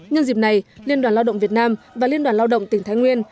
nhân dịp này liên đoàn lao động việt nam và liên đoàn lao động tỉnh thái nguyên